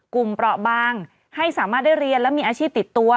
เปราะบางให้สามารถได้เรียนและมีอาชีพติดตัว